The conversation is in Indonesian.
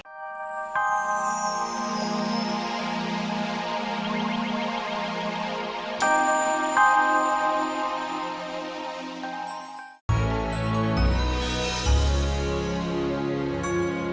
biar dia yang dituduh